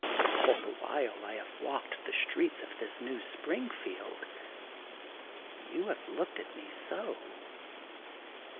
All the while I have walked the streets of this New Springfield, you have looke^ at me so.